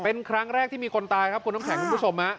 เป็นครั้งแรกที่มีคนตายครับคุณน้ำแข็งคุณผู้ชม